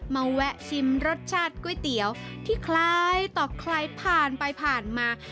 แวะชิมรสชาติก๋วยเตี๋ยวที่คล้ายต่อใครผ่านไปผ่านมา